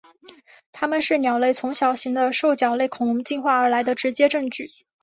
它们是鸟类从小型的兽脚类恐龙进化而来的直接证据。